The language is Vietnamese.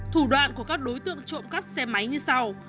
thủ đoạn của các đối tượng trộm cắp xe máy như sau